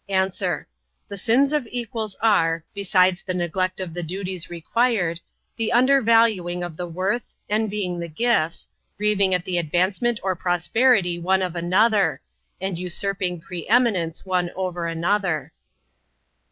A. The sins of equals are, besides the neglect of the duties required, the undervaluing of the worth, envying the gifts, grieving at the advancement or prosperity one of another; and usurping preeminence one over another.